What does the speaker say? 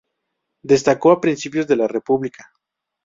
Destacó a principios de la República.